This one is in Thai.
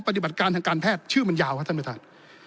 ปฏิบัติการทางการแพทย์ชื่อมันยาวครับท่านประธาน